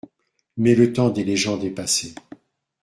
Mais le temps des légendes est passé.